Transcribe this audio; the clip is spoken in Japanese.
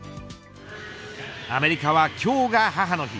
アメリカは今日が母の日。